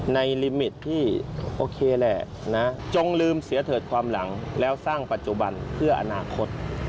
ลิมิตที่โอเคแหละนะจงลืมเสียเถิดความหลังแล้วสร้างปัจจุบันเพื่ออนาคต